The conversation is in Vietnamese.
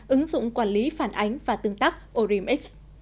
ứng dụng quản lý phản ánh và tương tác orimx